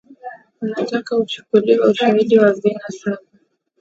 wanataka uchukuliwe ushaidi wa vina saba